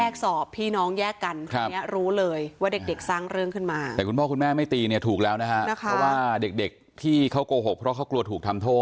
ก็เป็นห่วงเขาตรงนี้อยู่